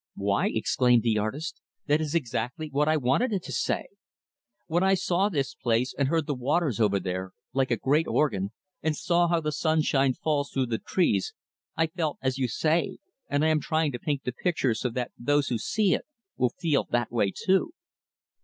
"Why!" exclaimed the artist, "that is exactly what I wanted it to say. When I saw this place, and heard the waters over there, like a great organ; and saw how the sunshine falls through the trees; I felt as you say, and I am trying to paint the picture so that those who see it will feel that way too."